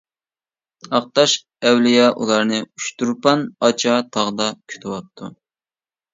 ئاقتاش ئەۋلىيا ئۇلارنى ئۇچتۇرپان ئاچا تاغدا كۈتۈۋاپتۇ.